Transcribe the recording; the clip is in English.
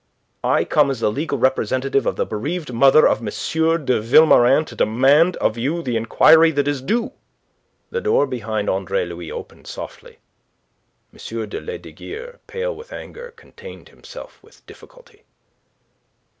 I come as the legal representative of the bereaved mother of M. de Vilmorin to demand of you the inquiry that is due." The door behind Andre Louis opened softly. M. de Lesdiguieres, pale with anger, contained himself with difficulty.